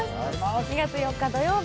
２月４日土曜日